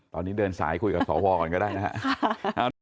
ตอนนี้เดินสายคุยกับสวก่อนก็ได้นะครับ